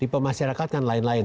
tipe masyarakat kan lain lain